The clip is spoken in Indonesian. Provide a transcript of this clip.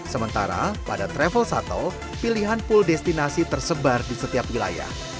sementara pada travel shuttle pilihan pool destinasi tersebar di setiap wilayah